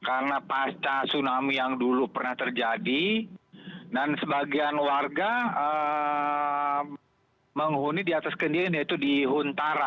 karena pasca tsunami yang dulu pernah terjadi dan sebagian warga menghuni di atas kendirian yaitu di huntara